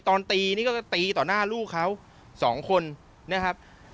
ตอนตีนี่ก็ตีต่อหน้าลูกเขา๒คนนะครับ